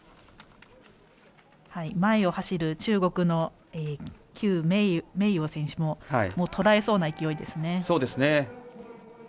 前を走る中国の邱明洋選手をとらえそうな勢いですね。